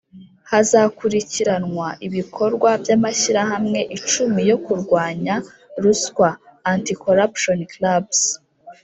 hazakurikiranwa ibikorwa by’amashyirahamwe icumi yo kurwanya ruswa (anti- corruption clubs)